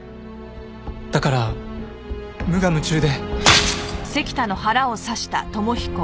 だから無我夢中で。